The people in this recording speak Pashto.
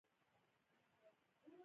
د نجونو تعلیم د ناامیدۍ علاج دی.